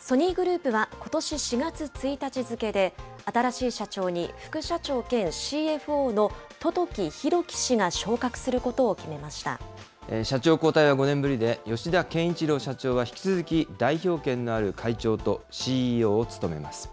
ソニーグループはことし４月１日付で、新しい社長に副社長兼ＣＦＯの十時裕樹氏が昇格することを決めま社長交代は５年ぶりで、吉田憲一郎社長は引き続き代表権のある会長とＣＥＯを務めます。